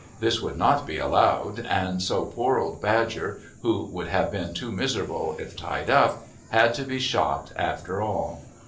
This could not be allowed, and so poor old Badger, who would have been too miserable if tied up, had to be shot after all.